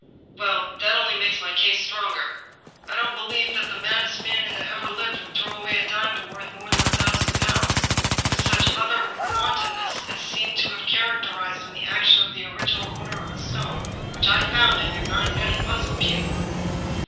" Well, that only makes my case the stronger ; I don't believe that the maddest man that ever lived would throw away a diamond worth more than a thousand pounds with such utter wantonness as seems to have characterized the action of the original owner of the stone which I found in your ninepenny puzzle, Pugh."